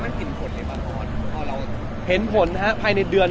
อ๋อน้องมีหลายคน